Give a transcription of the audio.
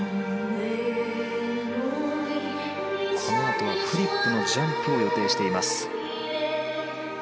このあとはフリップのジャンプを予定しています。